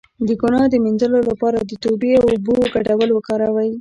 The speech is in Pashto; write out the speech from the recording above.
د ګناه د مینځلو لپاره د توبې او اوبو ګډول وکاروئ